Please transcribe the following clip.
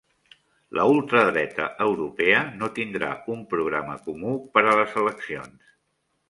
La ultradreta europea no tindrà un programa comú per a les eleccions